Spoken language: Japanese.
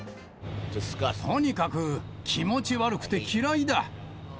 とにかく気持ち悪くて嫌いだ。